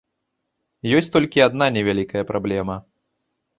Ёсць толькі адна невялікая праблема.